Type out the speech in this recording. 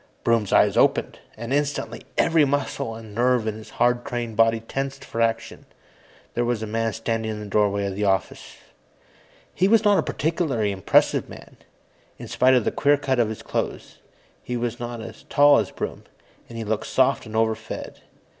Broom's eyes opened, and instantly every muscle and nerve in his hard trained body tensed for action. There was a man standing in the doorway of the office. He was not a particularly impressive man, in spite of the queer cut of his clothes. He was not as tall as Broom, and he looked soft and overfed.